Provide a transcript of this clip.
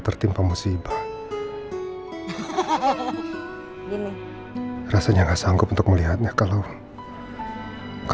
semoga mbak andin diberikan kekuatan melewati cobaan ini